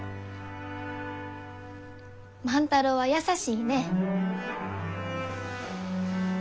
万太郎は優しいね。